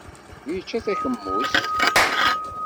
Yečča takemust.